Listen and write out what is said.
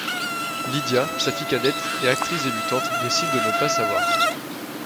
Lydia, sa fille cadette et actrice débutante, décide de ne pas savoir.